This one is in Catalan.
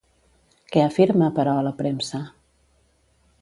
Què afirma, però, la premsa?